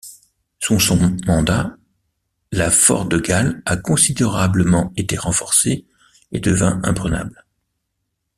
Sous son mandat, la fort de Galle a considérablement été renforcé, et devint imprenable.